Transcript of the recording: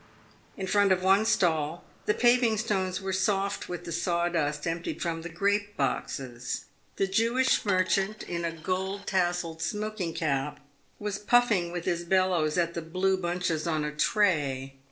In front of one stall, the paving stones were soft with the sawdust emptied from the grape boxes. The Jewish merchant, in a gold tasselled smoking cap, was puffing with his bellows at the blue bunches on a tray.